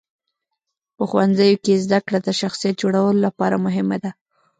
په ښوونځیو کې زدهکړه د شخصیت جوړولو لپاره مهمه ده.